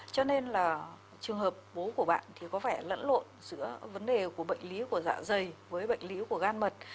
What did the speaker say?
cho nên là trường hợp bố của bạn thì có vẻ lẫn lộn giữa vấn đề của bệnh lý của dạ dày với bệnh lý của gan mật